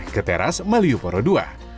ke teras malioboro ii